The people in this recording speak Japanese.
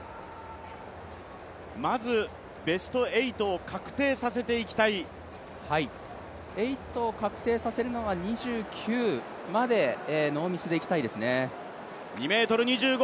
まずベスト８を確定させていきたい８を確定させるのは２９までノーミスでいきたいですね。